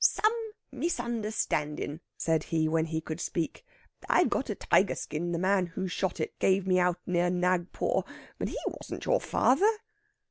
"Some misunderstanding'," said he, when he could speak. "I've got a tiger skin the man who shot it gave me out near Nagpore, but he wasn't your father."